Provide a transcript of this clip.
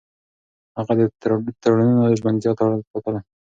هغه د تړونونو ژمنتيا ساتله.